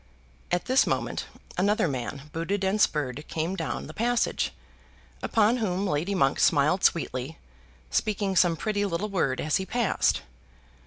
At this moment another man booted and spurred came down the passage, upon whom Lady Monk smiled sweetly, speaking some pretty little word as he passed.